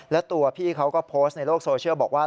และตัวพี่เขาก็โพสต์ในโลกโซเชียลบอกว่า